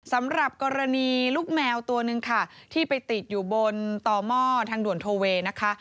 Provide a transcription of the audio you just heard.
สำหรับกรณีลูกแมวตัวนึงค่ะที่ไปติดอยู่บนต่อหม้อทางด่วนโทเวนะคะ